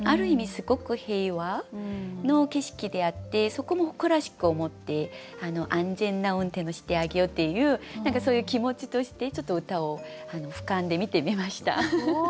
すごく平和の景色であってそこも誇らしく思って安全な運転をしてあげようっていうそういう気持ちとしてちょっと歌をふかんで見てみました。